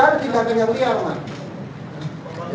yang tidak ada